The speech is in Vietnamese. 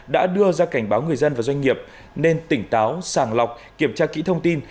đã đưa ra cảnh báo người dân và doanh nghiệp nên tỉnh táo sàng lọc kiểm tra kỹ thông tin